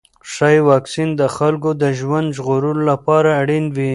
ښايي واکسین د خلکو د ژوند ژغورلو لپاره اړین وي.